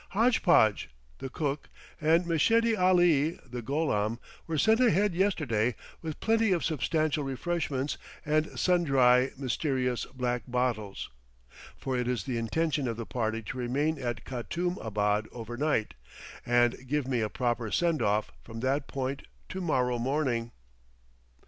"Hodge podge," the cook, and Meshedi Ali, the gholam, were sent ahead yesterday with plenty of substantial refreshments and sun dry mysterious black bottles for it is the intention of the party to remain at Katoum abad overnight, and give me a proper send off from that point to morrow morning.